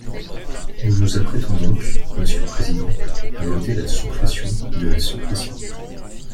Nous nous apprêtons donc, monsieur le président, à voter la suppression de la suppression.